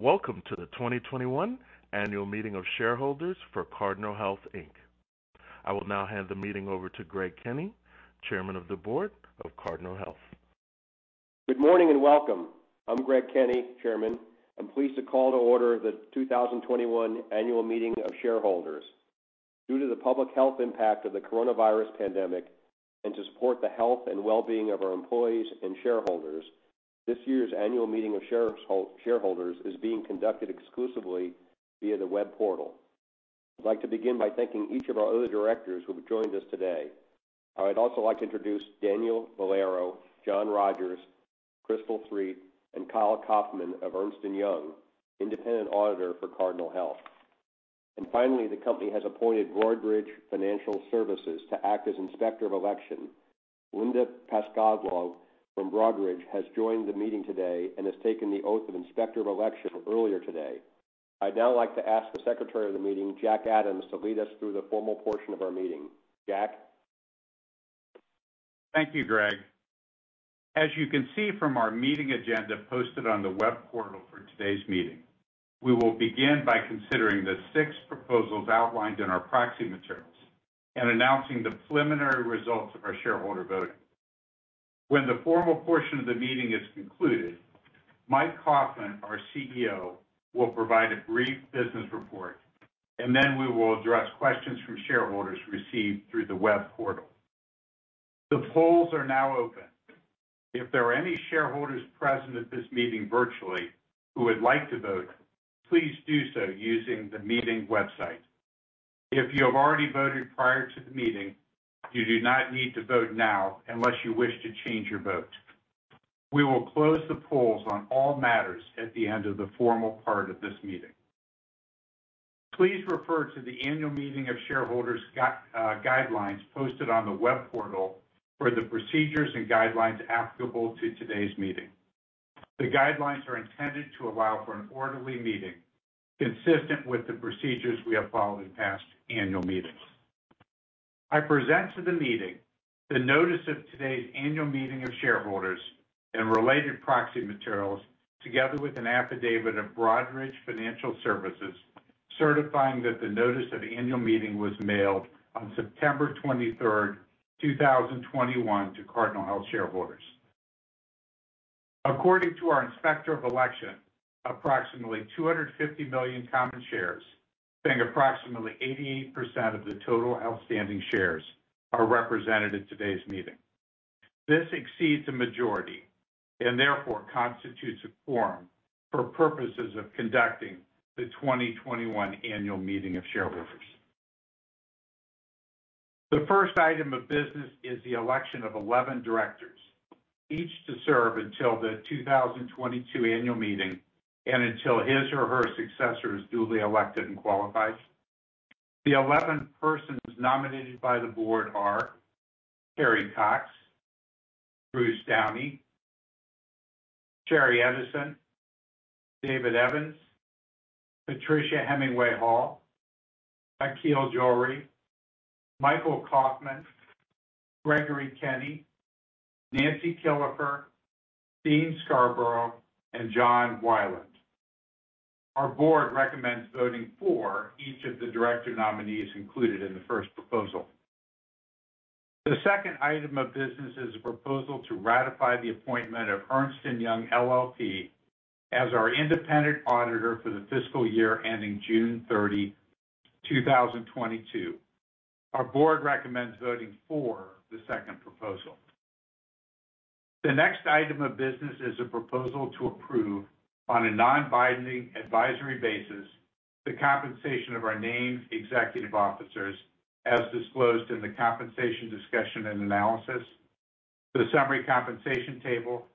Welcome to the 2021 Annual Meeting of Shareholders for Cardinal Health, Inc. I will now hand the meeting over to Greg Kenny, Chairman of the Board of Cardinal Health. Good morning, and welcome. I'm Greg Kenny, Chairman. I'm pleased to call to order the 2021 Annual Meeting of Shareholders. Due to the public health impact of the coronavirus pandemic and to support the health and well-being of our employees and shareholders, this year's annual meeting of shareholders is being conducted exclusively via the web portal. I'd like to begin by thanking each of our other directors who have joined us today. I'd also like to introduce Daniel Valerio, John Rogers, Crystal Threet, and Kyle Kaufman of Ernst & Young, independent auditor for Cardinal Health. Finally, the company has appointed Broadridge Financial Solutions to act as Inspector of Election. Linda Pascaglog from Broadridge has joined the meeting today and has taken the oath of Inspector of Election earlier today. I'd now like to ask the Secretary of the meeting, Jack Adams, to lead us through the formal portion of our meeting. Jack. Thank you, Greg. As you can see from our meeting agenda posted on the web portal for today's meeting, we will begin by considering the six proposals outlined in our proxy materials and announcing the preliminary results of our shareholder voting. When the formal portion of the meeting is concluded, Mike Kaufmann, our CEO, will provide a brief business report, and then we will address questions from shareholders received through the web portal. The polls are now open. If there are any shareholders present at this meeting virtually who would like to vote, please do so using the meeting website. If you have already voted prior to the meeting, you do not need to vote now unless you wish to change your vote. We will close the polls on all matters at the end of the formal part of this meeting. Please refer to the annual meeting of shareholders guidelines posted on the web portal for the procedures and guidelines applicable to today's meeting. The guidelines are intended to allow for an orderly meeting consistent with the procedures we have followed in past annual meetings. I present to the meeting the notice of today's annual meeting of shareholders and related proxy materials together with an affidavit of Broadridge Financial Solutions certifying that the notice of the annual meeting was mailed on 23 September 2021 to Cardinal Health shareholders. According to our Inspector of Election, approximately 250 million common shares, being approximately 88% of the total outstanding shares, are represented in today's meeting. This exceeds a majority and therefore constitutes a quorum for purposes of conducting the 2021 annual meeting of shareholders. The first item of business is the election of eleven directors, each to serve until the 2022 annual meeting and until his or her successor is duly elected and qualifies. The eleven persons nominated by the board are Carrie Cox, Bruce Downey, Sheri Edison, David Evans, Patricia Hemingway Hall, Akhil Johri, Michael Kaufmann, Gregory Kenny, Nancy Killefer, Dean Scarborough, and John Weiland. Our board recommends voting for each of the director nominees included in the first proposal. The second item of business is a proposal to ratify the appointment of Ernst & Young LLP as our independent auditor for the fiscal year ending 30 June 2022. Our board recommends voting for the second proposal. The next item of business is a proposal to approve on a non-binding advisory basis the compensation of our named executive officers as disclosed in the compensation discussion and analysis, the summary compensation table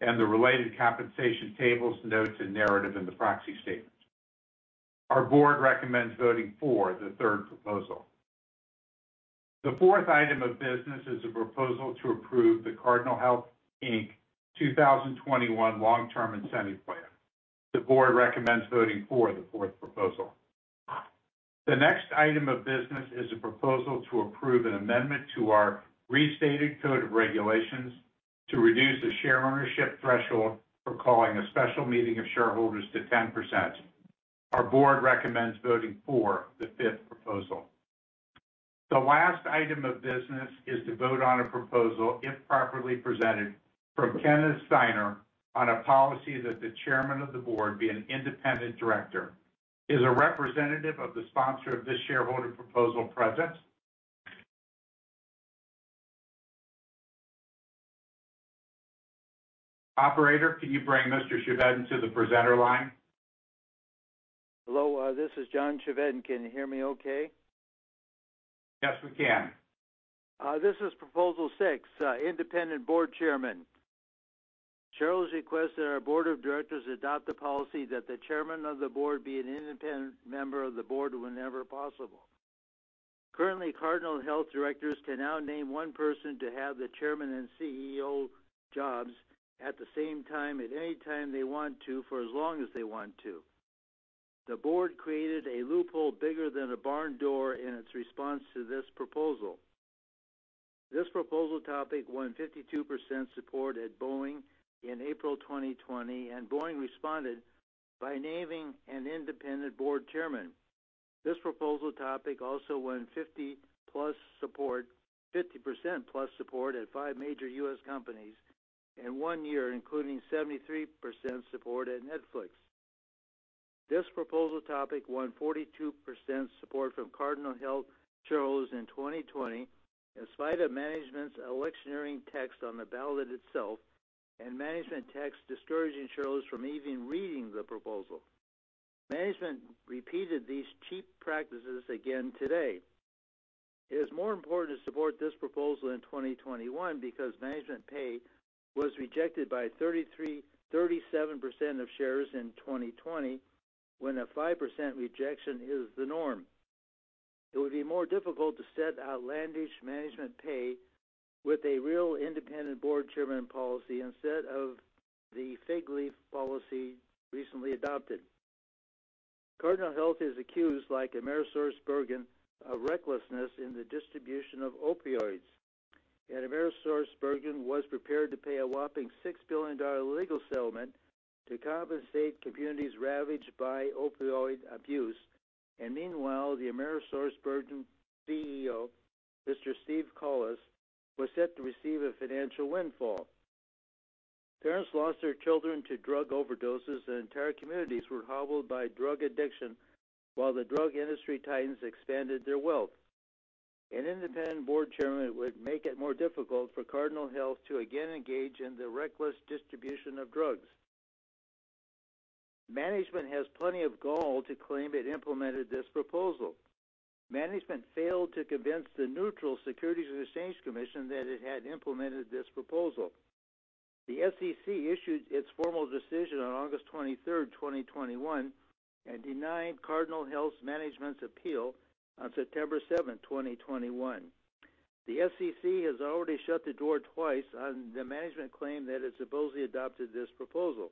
and the related compensation tables notes, and narrative in the proxy statement. Our board recommends voting for the third proposal. The fourth item of business is a proposal to approve the Cardinal Health, Inc. 2021 Long-Term Incentive Plan. The board recommends voting for the fourth proposal. The next item of business is a proposal to approve an amendment to our restated Code of Regulations to reduce the share ownership threshold for calling a special meeting of shareholders to 10%. Our board recommends voting for the fifth proposal. The last item of business is to vote on a proposal, if properly presented, from Kenneth Steiner on a policy that the chairman of the board be an independent director. Is a representative of the sponsor of this shareholder proposal present? Operator, can you bring Mr. Chevedden into the presenter line? Hello, this is John Chevedden. Can you hear me okay? Yes, we can. This is Proposal Six, Independent Board Chairman. Shareholders request that our board of directors adopt a policy that the chairman of the board be an independent member of the board whenever possible. Currently, Cardinal Health directors can now name one person to have the chairman and CEO jobs at the same time, at any time they want to, for as long as they want to. The board created a loophole bigger than a barn door in its response to this proposal. This proposal topic won 52% support at Boeing in April 2020, and Boeing responded by naming an independent board chairman. This proposal topic also won 50-plus support, 50% plus support at five major U.S. companies in one year, including 73% support at Netflix. This proposal topic won 42% support from Cardinal Health shareholders in 2020 in spite of management's electioneering text on the ballot itself and management text discouraging shareholders from even reading the proposal. Management repeated these cheap practices again today. It is more important to support this proposal in 2021 because management pay was rejected by 33-37% of shares in 2020 when a 5% rejection is the norm. It would be more difficult to set outlandish management pay with a real independent board chairman policy instead of the fig leaf policy recently adopted. Cardinal Health is accused, like AmerisourceBergen, of recklessness in the distribution of opioids. AmerisourceBergen was prepared to pay a whopping $6 billion legal settlement to compensate communities ravaged by opioid abuse. Meanwhile, the AmerisourceBergen CEO, Mr. Steve Collis, was set to receive a financial windfall. Parents lost their children to drug overdoses, and entire communities were hobbled by drug addiction while the drug industry titans expanded their wealth. An independent board chairman would make it more difficult for Cardinal Health to again engage in the reckless distribution of drugs. Management has plenty of gall to claim it implemented this proposal. Management failed to convince the neutral Securities and Exchange Commission that it had implemented this proposal. The SEC issued its formal decision on 23 August 2021, and denied Cardinal Health Management's appeal on 7 September 2021. The SEC has already shut the door twice on the management claim that it supposedly adopted this proposal.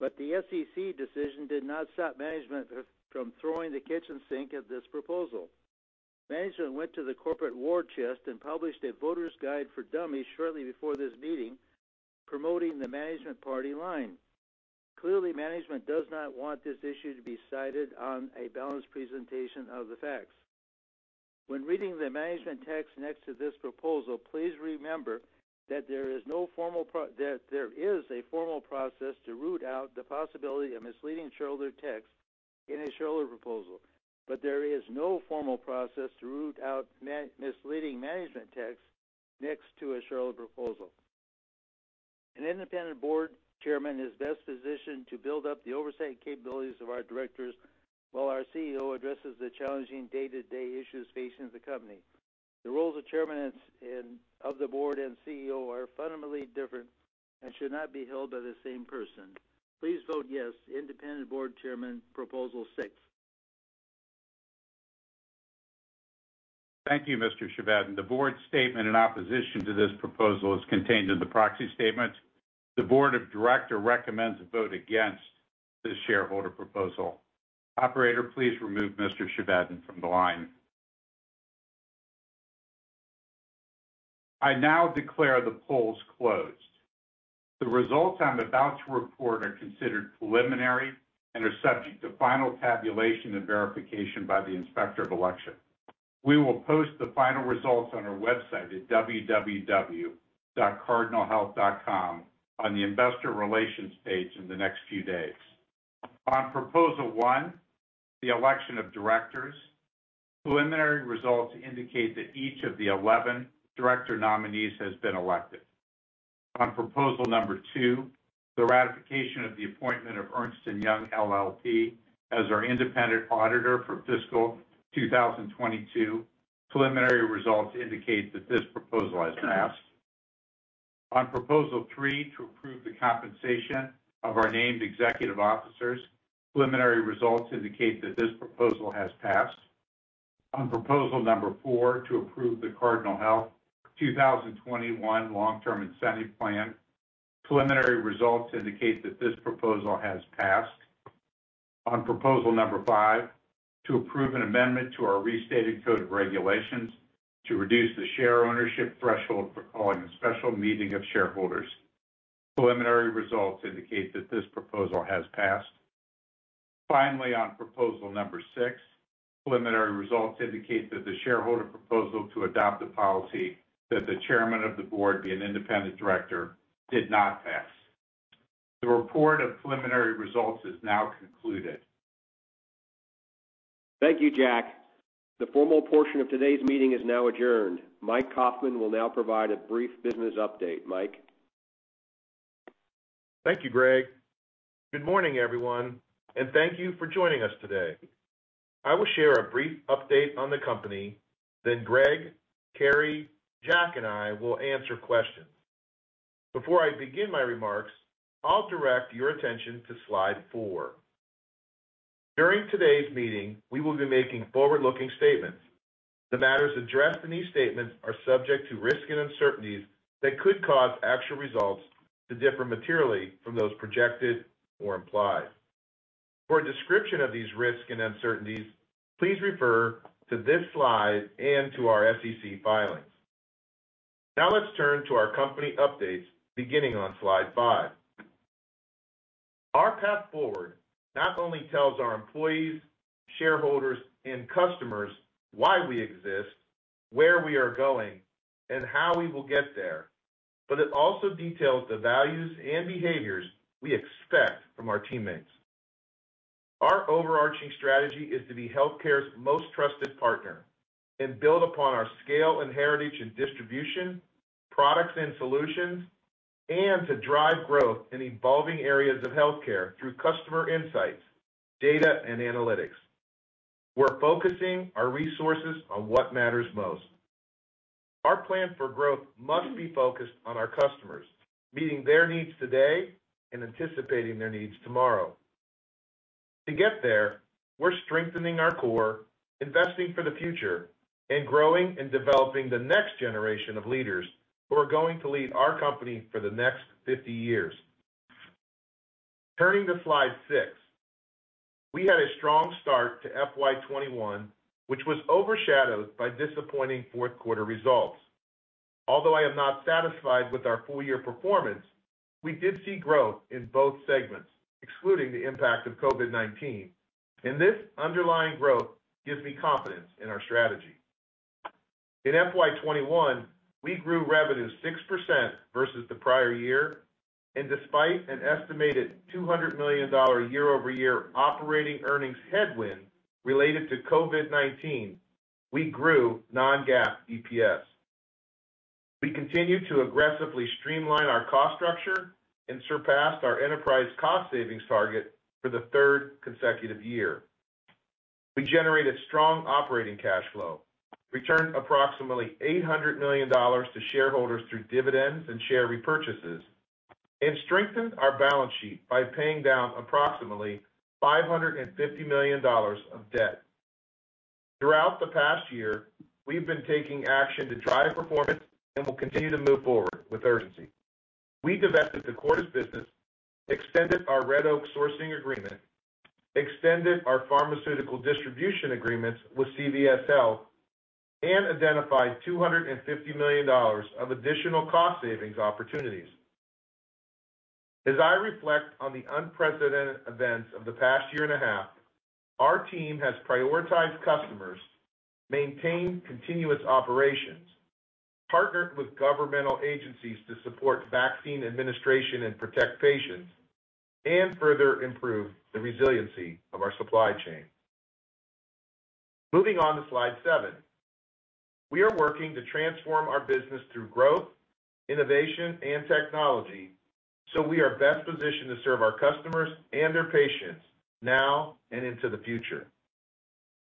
The SEC decision did not stop management from throwing the kitchen sink at this proposal. Management went to the corporate war chest and published a voters guide for dummies shortly before this meeting, promoting the management party line. Clearly, management does not want this issue to be cited on a balanced presentation of the facts. When reading the management text next to this proposal, please remember that there is no formal process to root out the possibility of misleading shareholder text in a shareholder proposal, but there is no formal process to root out misleading management text next to a shareholder proposal. An independent board chairman is best positioned to build up the oversight capabilities of our directors while our CEO addresses the challenging day-to-day issues facing the company. The roles of chairman and of the board and CEO are fundamentally different and should not be held by the same person. Please vote yes, independent board chairman, proposal six. Thank you, Mr. Chevedden. The board statement in opposition to this proposal is contained in the proxy statement. The board of directors recommends a vote against this shareholder proposal. Operator, please remove Mr. Chevedden from the line. I now declare the polls closed. The results I'm about to report are considered preliminary and are subject to final tabulation and verification by the Inspector of Election. We will post the final results on our website at www.cardinalhealth.com on the investor relations page in the next few days. On proposal one, the election of directors, preliminary results indicate that each of the 11 director nominees has been elected. On proposal number two, the ratification of the appointment of Ernst & Young LLP as our independent auditor for fiscal 2022, preliminary results indicate that this proposal has passed. On proposal three, to approve the compensation of our named executive officers, preliminary results indicate that this proposal has passed. On proposal number four, to approve the Cardinal Health 2021 Long-Term Incentive Plan, preliminary results indicate that this proposal has passed. On proposal number five, to approve an amendment to our restated code of regulations to reduce the share ownership threshold for calling a special meeting of shareholders, preliminary results indicate that this proposal has passed. Finally, on proposal number six, preliminary results indicate that the shareholder proposal to adopt a policy that the chairman of the board be an independent director did not pass. The report of preliminary results is now concluded. Thank you, Jack. The formal portion of today's meeting is now adjourned. Mike Kaufmann will now provide a brief business update. Mike. Thank you, Greg. Good morning, everyone, and thank you for joining us today. I will share a brief update on the company, then Greg, Carrie, Jack, and I will answer questions. Before I begin my remarks, I'll direct your attention to slide four. During today's meeting, we will be making forward-looking statements. The matters addressed in these statements are subject to risks and uncertainties that could cause actual results to differ materially from those projected or implied. For a description of these risks and uncertainties, please refer to this slide and to our SEC filings. Now let's turn to our company updates beginning on slide five. Our path forward not only tells our employees, shareholders, and customers why we exist, where we are going, and how we will get there, but it also details the values and behaviors we expect from our teammates. Our overarching strategy is to be healthcare's most trusted partner and build upon our scale and heritage in distribution, products and solutions, and to drive growth in evolving areas of healthcare through customer insights, data, and analytics. We're focusing our resources on what matters most. Our plan for growth must be focused on our customers, meeting their needs today and anticipating their needs tomorrow. To get there, we're strengthening our core, investing for the future, and growing and developing the next generation of leaders who are going to lead our company for the next 50 years. Turning to slide six. We had a strong start to FY 2021, which was overshadowed by disappointing fourth quarter results. Although I am not satisfied with our full year performance, we did see growth in both segments, excluding the impact of COVID-19, and this underlying growth gives me confidence in our strategy. In FY 2021, we grew revenue 6% versus the prior year, and despite an estimated $200 million year-over-year operating earnings headwind related to COVID-19, we grew non-GAAP EPS. We continued to aggressively streamline our cost structure and surpassed our enterprise cost savings target for the third consecutive year. We generated strong operating cash flow, returned approximately $800 million to shareholders through dividends and share repurchases, and strengthened our balance sheet by paying down approximately $550 million of debt. Throughout the past year, we've been taking action to drive performance, and will continue to move forward with urgency. We divested the Cordis business, extended our Red Oak sourcing agreement, extended our pharmaceutical distribution agreements with CVS, and identified $250 million of additional cost savings opportunities. As I reflect on the unprecedented events of the past year and a half, our team has prioritized customers, maintained continuous operations, partnered with governmental agencies to support vaccine administration and protect patients, and further improved the resiliency of our supply chain. Moving on to slide seven. We are working to transform our business through growth, innovation, and technology, so we are best positioned to serve our customers and their patients now and into the future.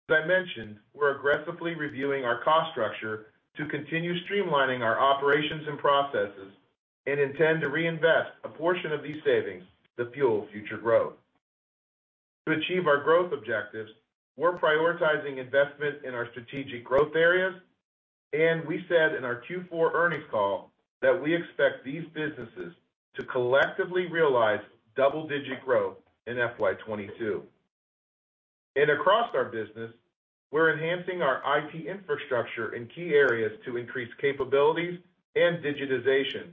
As I mentioned, we're aggressively reviewing our cost structure to continue streamlining our operations and processes and intend to reinvest a portion of these savings to fuel future growth. To achieve our growth objectives, we're prioritizing investment in our strategic growth areas, and we said in our Q4 earnings call that we expect these businesses to collectively realize double-digit growth in FY 2022. Across our business, we're enhancing our IT infrastructure in key areas to increase capabilities and digitization,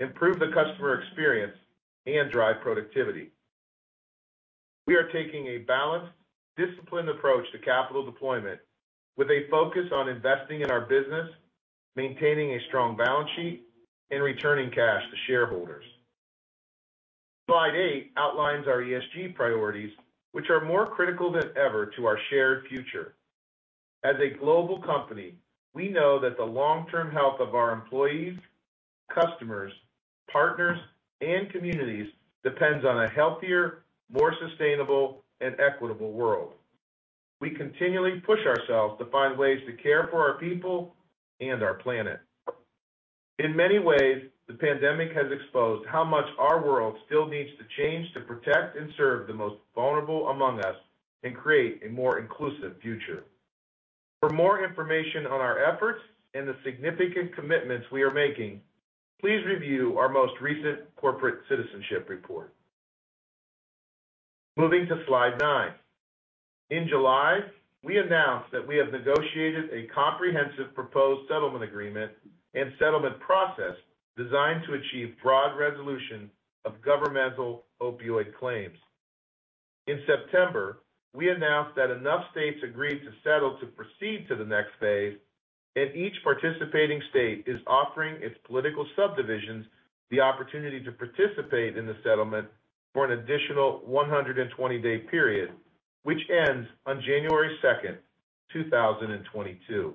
improve the customer experience, and drive productivity. We are taking a balanced, disciplined approach to capital deployment with a focus on investing in our business, maintaining a strong balance sheet, and returning cash to shareholders. Slide eight outlines our ESG priorities, which are more critical than ever to our shared future. As a global company, we know that the long-term health of our employees, customers, partners, and communities depends on a healthier, more sustainable, and equitable world. We continually push ourselves to find ways to care for our people and our planet. In many ways, the pandemic has exposed how much our world still needs to change to protect and serve the most vulnerable among us and create a more inclusive future. For more information on our efforts and the significant commitments we are making, please review our most recent corporate citizenship report. Moving to slide nine. In July, we announced that we have negotiated a comprehensive proposed settlement agreement and settlement process designed to achieve broad resolution of governmental opioid claims. In September, we announced that enough states agreed to settle to proceed to the next phase, and each participating state is offering its political subdivisions the opportunity to participate in the settlement for an additional 120-day period, which ends on 2 January 2022.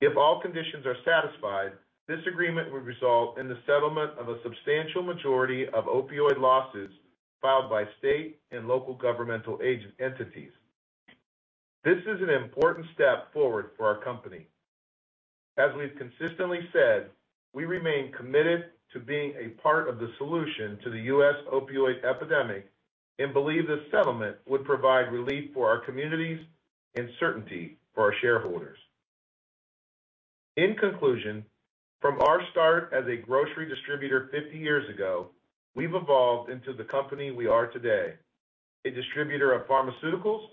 If all conditions are satisfied, this agreement would result in the settlement of a substantial majority of opioid losses filed by state and local governmental agent entities. This is an important step forward for our company. As we've consistently said, we remain committed to being a part of the solution to the U.S. opioid epidemic and believe this settlement would provide relief for our communities and certainty for our shareholders. In conclusion, from our start as a grocery distributor 50 years ago, we've evolved into the company we are today. A distributor of pharmaceuticals,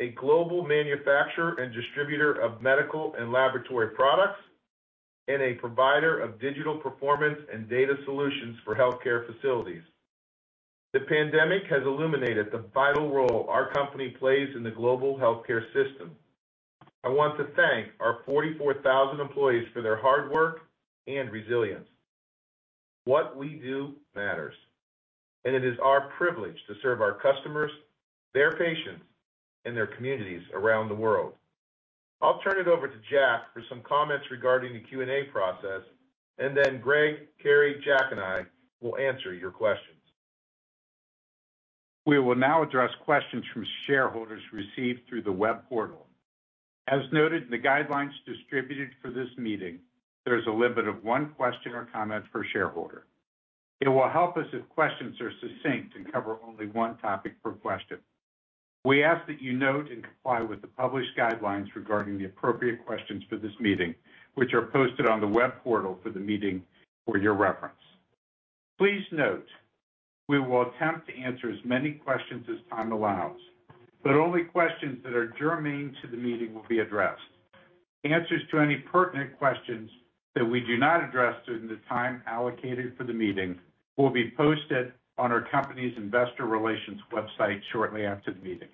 a global manufacturer and distributor of medical and laboratory products, and a provider of digital performance and data solutions for healthcare facilities. The pandemic has illuminated the vital role our company plays in the global healthcare system. I want to thank our 44,000 employees for their hard work and resilience. What we do matters, and it is our privilege to serve our customers, their patients, and their communities around the world. I'll turn it over to Jack for some comments regarding the Q&A process, and then Greg, Carrie, Jack, and I will answer your questions. We will now address questions from shareholders received through the web portal. As noted in the guidelines distributed for this meeting, there's a limit of one question or comment per shareholder. It will help us if questions are succinct and cover only one topic per question. We ask that you note and comply with the published guidelines regarding the appropriate questions for this meeting, which are posted on the web portal for the meeting for your reference. Please note we will attempt to answer as many questions as time allows, but only questions that are germane to the meeting will be addressed. Answers to any pertinent questions that we do not address during the time allocated for the meeting will be posted on our company's investor relations website shortly after the meeting.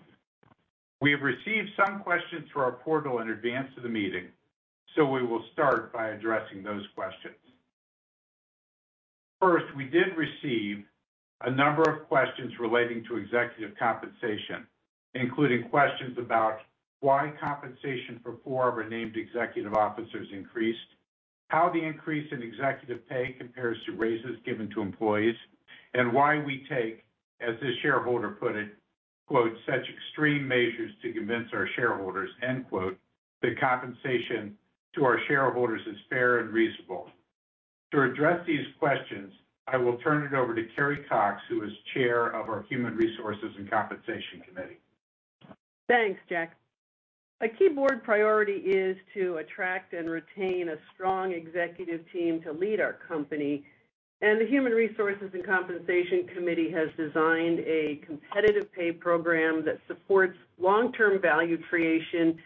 We have received some questions through our portal in advance of the meeting, so we will start by addressing those questions. First, we did receive a number of questions relating to executive compensation, including questions about why compensation for four of our named executive officers increased, how the increase in executive pay compares to raises given to employees, and why we take, as this shareholder put it, quote, "such extreme measures to convince our shareholders," end quote, the compensation to our shareholders is fair and reasonable. To address these questions, I will turn it over to Carrie Cox, who is Chair of our Human Resources and Compensation Committee. Thanks, Jack. A key board priority is to attract and retain a strong executive team to lead our company, and the Human Resources and Compensation Committee has designed a competitive pay program that supports long-term value creation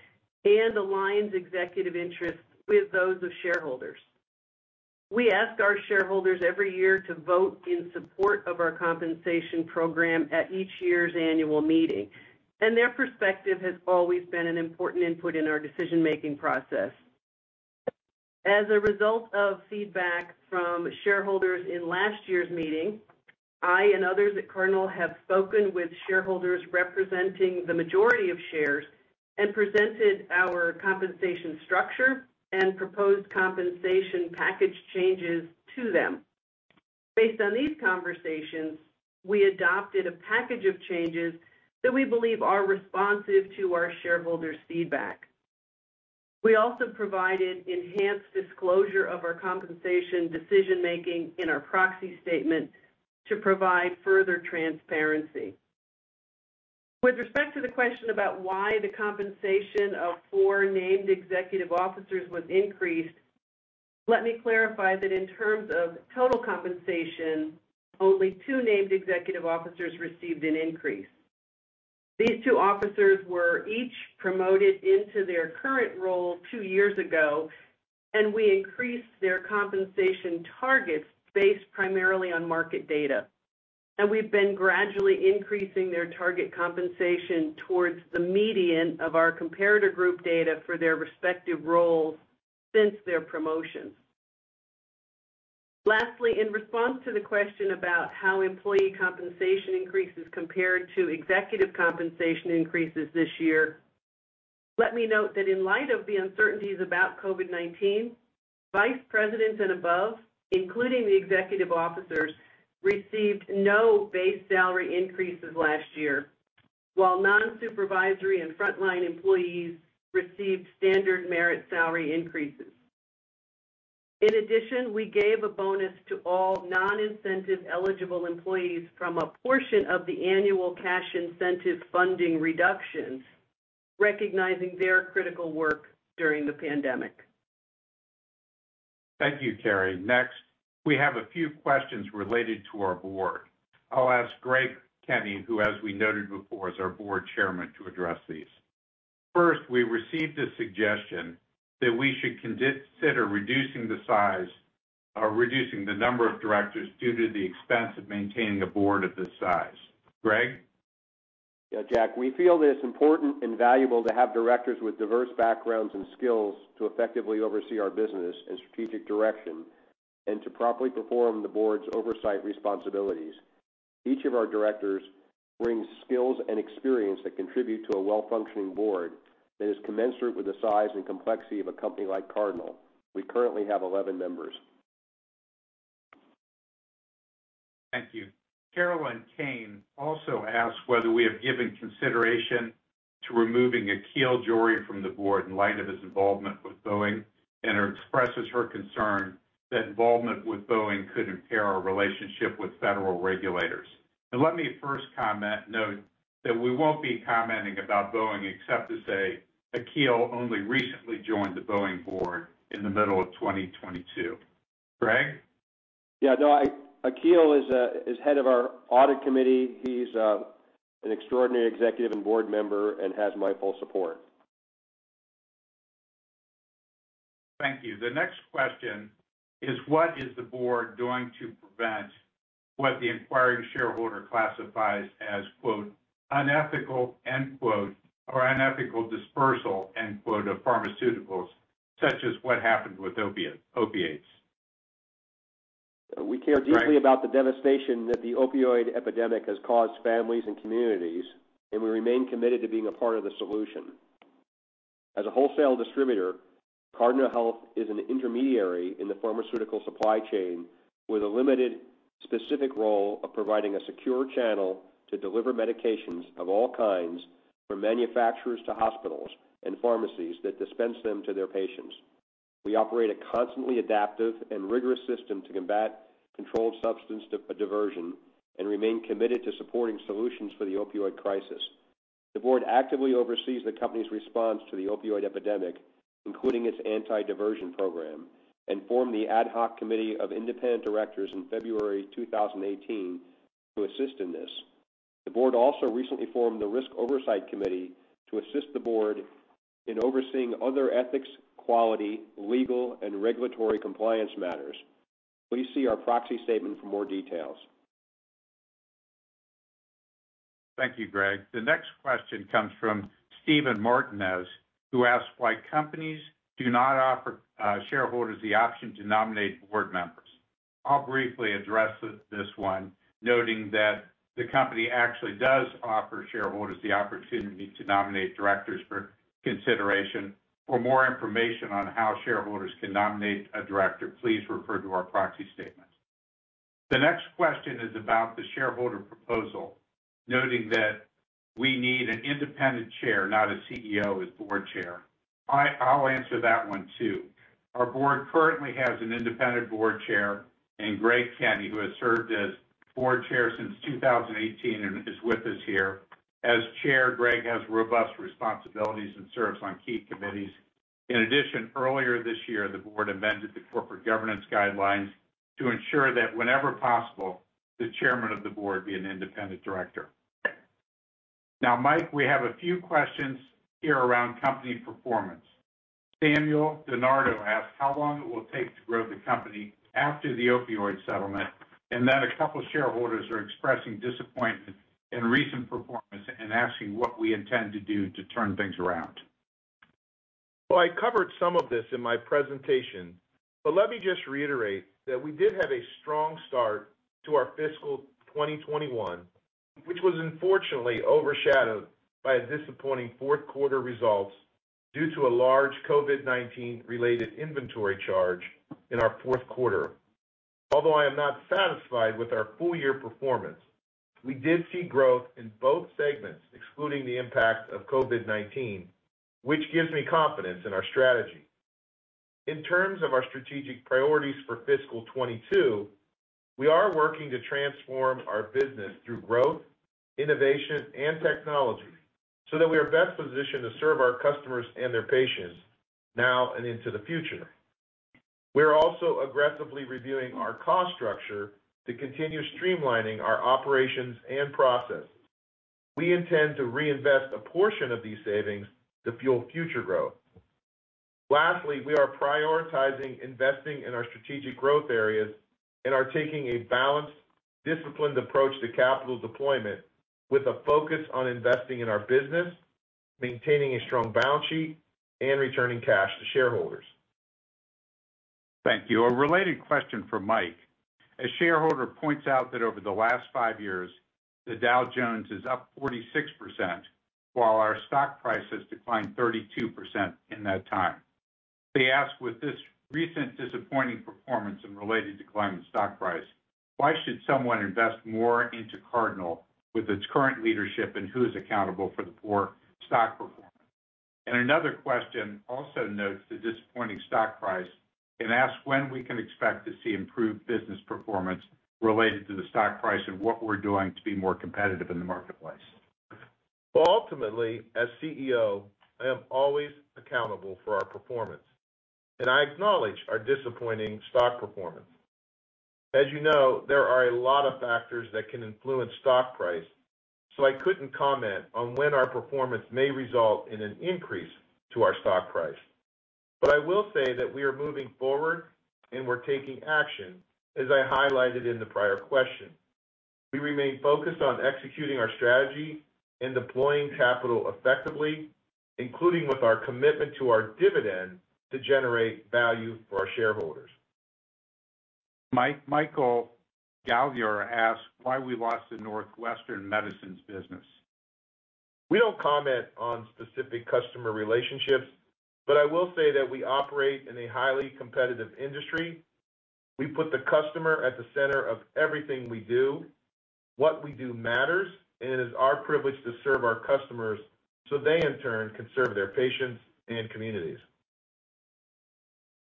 and aligns executive interests with those of shareholders. We ask our shareholders every year to vote in support of our compensation program at each year's annual meeting, and their perspective has always been an important input in our decision-making process. As a result of feedback from shareholders in last year's meeting, I and others at Cardinal have spoken with shareholders representing the majority of shares and presented our compensation structure and proposed compensation package changes to them. Based on these conversations, we adopted a package of changes that we believe are responsive to our shareholders' feedback. We also provided enhanced disclosure of our compensation decision-making in our proxy statement to provide further transparency. With respect to the question about why the compensation of four named executive officers was increased, let me clarify that in terms of total compensation, only two named executive officers received an increase. These two officers were each promoted into their current role two years ago, and we increased their compensation targets based primarily on market data. We've been gradually increasing their target compensation towards the median of our comparator group data for their respective roles since their promotions. Lastly, in response to the question about how employee compensation increases compared to executive compensation increases this year, let me note that in light of the uncertainties about COVID-19, vice presidents and above, including the executive officers, received no base salary increases last year, while nonsupervisory and frontline employees received standard merit salary increases. In addition, we gave a bonus to all non-incentive-eligible employees from a portion of the annual cash incentive funding reductions, recognizing their critical work during the pandemic. Thank you, Carrie. Next, we have a few questions related to our board. I'll ask Greg Kenny, who, as we noted before, is our Board Chairman, to address these. First, we received a suggestion that we should consider reducing the size or reducing the number of directors due to the expense of maintaining a board of this size. Greg? Yeah, Jack. We feel that it's important and valuable to have directors with diverse backgrounds and skills to effectively oversee our business and strategic direction and to properly perform the board's oversight responsibilities. Each of our directors brings skills and experience that contribute to a well-functioning board that is commensurate with the size and complexity of a company like Cardinal. We currently have 11 members. Thank you. Carolyn Kane also asks whether we have given consideration to removing Akhil Johri from the board in light of his involvement with Boeing, and expresses her concern that involvement with Boeing could impair our relationship with federal regulators. Let me first comment, note that we won't be commenting about Boeing except to say Akhil Johri only recently joined the Boeing board in the middle of 2022. Greg? No, Akhil is head of our Audit Committee. He's an extraordinary executive and board member and has my full support. Thank you. The next question is, what is the board doing to prevent what the inquiring shareholder classifies as, quote, "unethical," end quote, or unethical dispersal, end quote, of pharmaceuticals, such as what happened with opiates? Greg. We care deeply about the devastation that the opioid epidemic has caused families and communities, and we remain committed to being a part of the solution. As a wholesale distributor, Cardinal Health is an intermediary in the pharmaceutical supply chain with a limited specific role of providing a secure channel to deliver medications of all kinds from manufacturers to hospitals and pharmacies that dispense them to their patients. We operate a constantly adaptive and rigorous system to combat controlled substance diversion and remain committed to supporting solutions for the opioid crisis. The board actively oversees the company's response to the opioid epidemic, including its anti-diversion program, and formed the Ad Hoc Committee of Independent Directors in February 2018 to assist in this. The board also recently formed the Risk Oversight Committee to assist the board in overseeing other ethics, quality, legal, and regulatory compliance matters. Please see our proxy statement for more details. Thank you, Greg. The next question comes from Steven Martinez, who asks why companies do not offer shareholders the option to nominate board members. I'll briefly address this one, noting that the company actually does offer shareholders the opportunity to nominate directors for consideration. For more information on how shareholders can nominate a director, please refer to our proxy statement. The next question is about the shareholder proposal, noting that we need an independent chair, not a CEO as board chair. I'll answer that one too. Our board currently has an independent board chair in Greg Kenny, who has served as board chair since 2018 and is with us here. As chair, Greg has robust responsibilities and serves on key committees. In addition, earlier this year, the board amended the corporate governance guidelines to ensure that whenever possible, the chairman of the board be an independent director. Now, Mike, we have a few questions here around company performance. Samuel Dinardo asked how long it will take to grow the company after the opioid settlement, and then a couple shareholders are expressing disappointment in recent performance and asking what we intend to do to turn things around. Well, I covered some of this in my presentation, but let me just reiterate that we did have a strong start to our fiscal 2021, which was unfortunately overshadowed by disappointing fourth quarter results due to a large COVID-19 related inventory charge in our fourth quarter. Although I am not satisfied with our full year performance, we did see growth in both segments, excluding the impact of COVID-19, which gives me confidence in our strategy. In terms of our strategic priorities for fiscal 2022, we are working to transform our business through growth, innovation, and technology, so that we are best positioned to serve our customers and their patients now and into the future. We're also aggressively reviewing our cost structure to continue streamlining our operations and processes. We intend to reinvest a portion of these savings to fuel future growth. Lastly, we are prioritizing investing in our strategic growth areas and are taking a balanced, disciplined approach to capital deployment with a focus on investing in our business, maintaining a strong balance sheet, and returning cash to shareholders. Thank you. A related question for Mike. A shareholder points out that over the last five years, the Dow Jones is up 46%, while our stock price has declined 32% in that time. They ask, with this recent disappointing performance and related decline in stock price, why should someone invest more into Cardinal with its current leadership, and who is accountable for the poor stock performance? Another question also notes the disappointing stock price and asks when we can expect to see improved business performance related to the stock price and what we're doing to be more competitive in the marketplace. Well, ultimately, as CEO, I am always accountable for our performance, and I acknowledge our disappointing stock performance. As you know, there are a lot of factors that can influence stock price, so I couldn't comment on when our performance may result in an increase to our stock price. I will say that we are moving forward, and we're taking action, as I highlighted in the prior question. We remain focused on executing our strategy and deploying capital effectively, including with our commitment to our dividend to generate value for our shareholders. Michael Galvier asks why we lost the Northwestern Medicine business. We don't comment on specific customer relationships, but I will say that we operate in a highly competitive industry. We put the customer at the center of everything we do. What we do matters, and it is our privilege to serve our customers so they in turn can serve their patients and communities.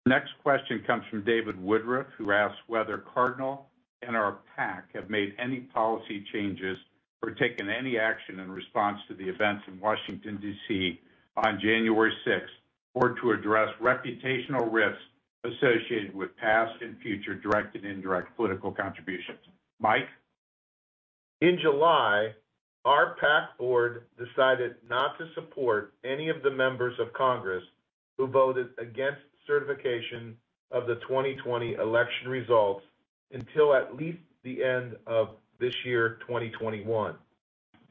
Next question comes from David Woodruff, who asks whether Cardinal and our PAC have made any policy changes or taken any action in response to the events in Washington, D.C., on January sixth, or to address reputational risks associated with past and future direct and indirect political contributions. Mike? In July, our PAC board decided not to support any of the members of Congress who voted against certification of the 2020 election results until at least the end of this year, 2021.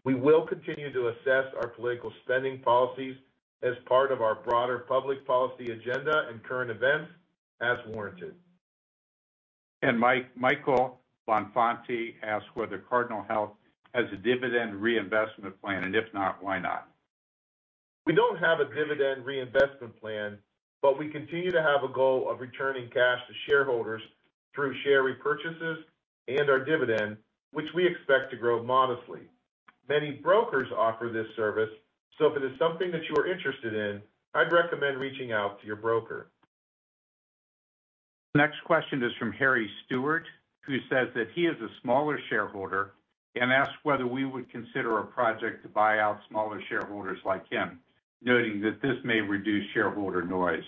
We will continue to assess our political spending policies as part of our broader public policy agenda and current events as warranted. Michael Bonfanti asks whether Cardinal Health has a dividend reinvestment plan, and if not, why not? We don't have a dividend reinvestment plan, but we continue to have a goal of returning cash to shareholders through share repurchases and our dividend, which we expect to grow modestly. Many brokers offer this service, so if it is something that you are interested in, I'd recommend reaching out to your broker. Next question is from Harry Stewart, who says that he is a smaller shareholder and asks whether we would consider a project to buy out smaller shareholders like him, noting that this may reduce shareholder noise.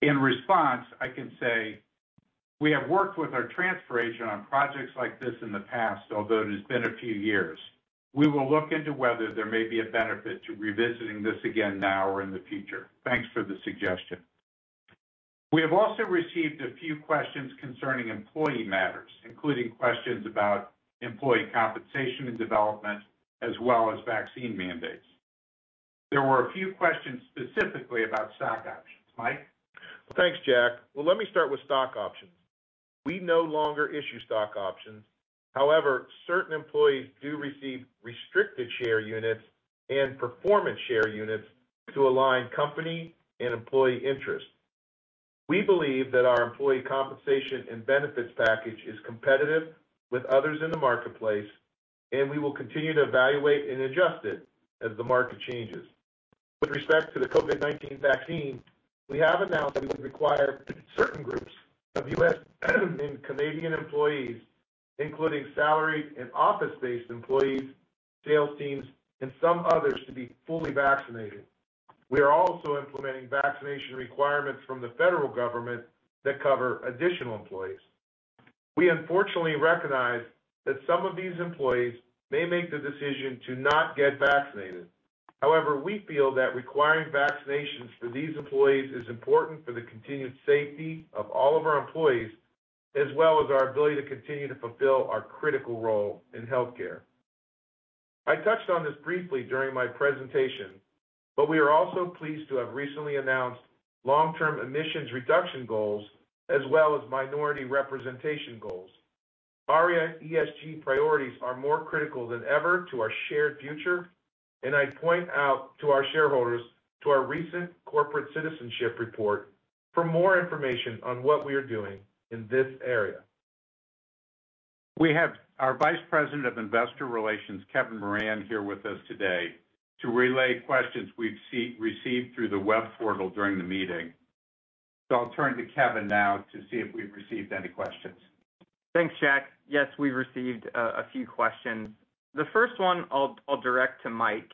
In response, I can say we have worked with our transfer agent on projects like this in the past, although it has been a few years. We will look into whether there may be a benefit to revisiting this again now or in the future. Thanks for the suggestion. We have also received a few questions concerning employee matters, including questions about employee compensation and development, as well as vaccine mandates. There were a few questions specifically about stock options. Mike? Thanks, Jack. Well, let me start with stock options. We no longer issue stock options. However, certain employees do receive restricted share units and performance share units to align company and employee interests. We believe that our employee compensation and benefits package is competitive with others in the marketplace, and we will continue to evaluate and adjust it as the market changes. With respect to the COVID-19 vaccine, we have announced we would require certain groups of U.S. and Canadian employees, including salaried and office-based employees, sales teams, and some others, to be fully vaccinated. We are also implementing vaccination requirements from the federal government that cover additional employees. We unfortunately recognize that some of these employees may make the decision to not get vaccinated. However, we feel that requiring vaccinations for these employees is important for the continued safety of all of our employees, as well as our ability to continue to fulfill our critical role in healthcare. I touched on this briefly during my presentation, but we are also pleased to have recently announced long-term emissions reduction goals as well as minority representation goals. Our ESG priorities are more critical than ever to our shared future, and I point out to our shareholders to our recent corporate citizenship report for more information on what we are doing in this area. We have our Vice President of Investor Relations, Kevin Moran, here with us today to relay questions we've received through the web portal during the meeting. I'll turn to Kevin now to see if we've received any questions. Thanks, Jack. Yes, we've received a few questions. The first one I'll direct to Mike: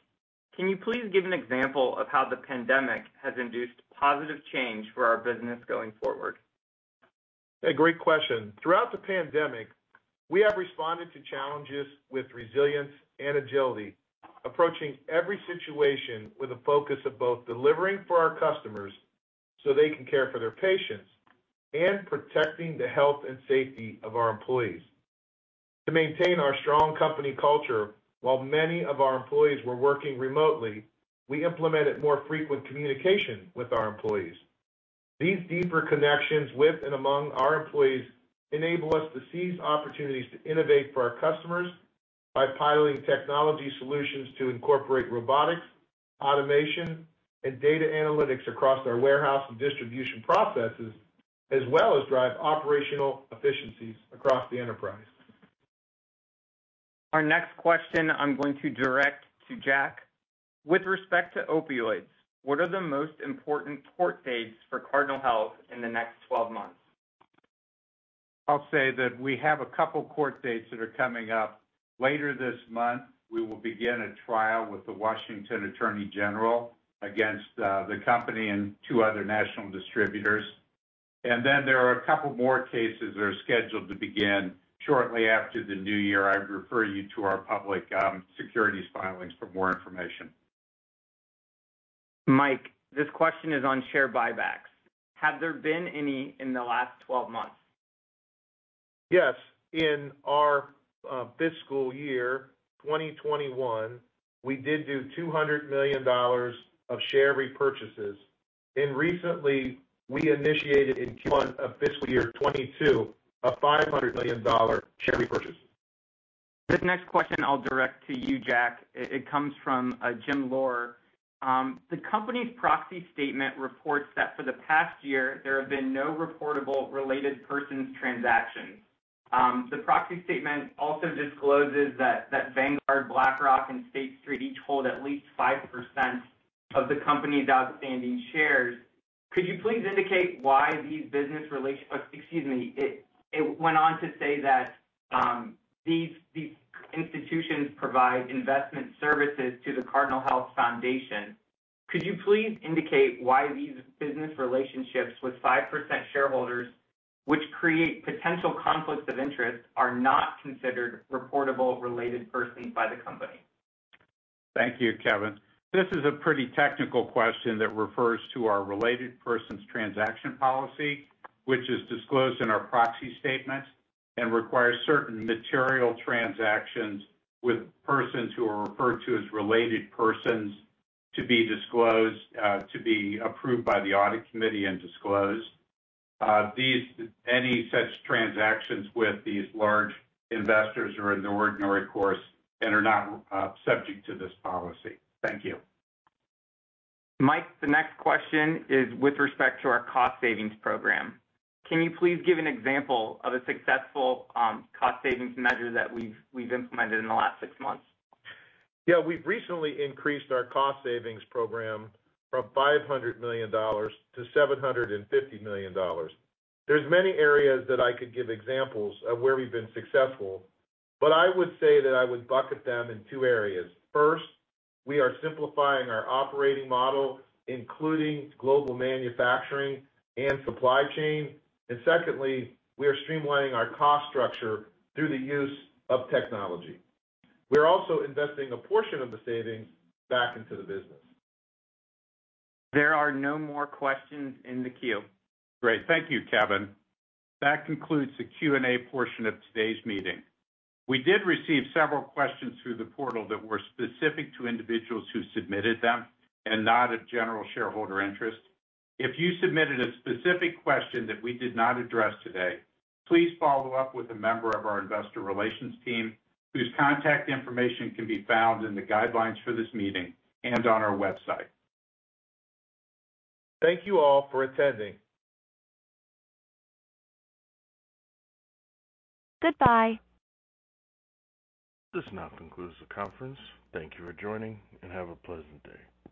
Can you please give an example of how the pandemic has induced positive change for our business going forward? A great question. Throughout the pandemic, we have responded to challenges with resilience and agility, approaching every situation with a focus of both delivering for our customers so they can care for their patients and protecting the health and safety of our employees. To maintain our strong company culture while many of our employees were working remotely, we implemented more frequent communication with our employees. These deeper connections with and among our employees enable us to seize opportunities to innovate for our customers by piloting technology solutions to incorporate robotics, automation, and data analytics across our warehouse and distribution processes, as well as drive operational efficiencies across the enterprise. Our next question, I'm going to direct to Jack. With respect to opioids, what are the most important court dates for Cardinal Health in the next twelve months? I'll say that we have a couple of court dates that are coming up. Later this month, we will begin a trial with the Washington Attorney General against the company and two other national distributors. Then there are a couple more cases that are scheduled to begin shortly after the new year. I would refer you to our public securities filings for more information. Mike, this question is on share buybacks. Have there been any in the last 12 months? Yes. In our fiscal year 2021, we did do $200 million of share repurchases. Recently, we initiated in Q1 of fiscal year 2022, a $500 million share repurchase. This next question I'll direct to you, Jack. It comes from J. Michael Losh. The company's proxy statement reports that for the past year, there have been no reportable related party transactions. The proxy statement also discloses that Vanguard, BlackRock, and State Street each hold at least 5% of the company's outstanding shares. These institutions provide investment services to the Cardinal Health Foundation. Could you please indicate why these business relationships with 5% shareholders, which create potential conflicts of interest, are not considered reportable related party transactions by the company? Thank you, Kevin. This is a pretty technical question that refers to our related persons transaction policy, which is disclosed in our proxy statement and requires certain material transactions with persons who are referred to as related persons to be disclosed, to be approved by the audit committee and disclosed. Any such transactions with these large investors are in the ordinary course and are not subject to this policy. Thank you. Mike, the next question is with respect to our cost savings program. Can you please give an example of a successful cost savings measure that we've implemented in the last six months? Yeah. We've recently increased our cost savings program from $500 million to $750 million. There's many areas that I could give examples of where we've been successful, but I would say that I would bucket them in two areas. First, we are simplifying our operating model, including global manufacturing and supply chain. Secondly, we are streamlining our cost structure through the use of technology. We're also investing a portion of the savings back into the business. There are no more questions in the queue. Great. Thank you, Kevin. That concludes the Q&A portion of today's meeting. We did receive several questions through the portal that were specific to individuals who submitted them and not of general shareholder interest. If you submitted a specific question that we did not address today, please follow up with a member of our investor relations team, whose contact information can be found in the guidelines for this meeting and on our website. Thank you all for attending. Goodbye. This now concludes the conference. Thank you for joining, and have a pleasant day.